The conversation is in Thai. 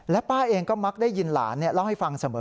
ป้าเองก็มักได้ยินหลานเล่าให้ฟังเสมอ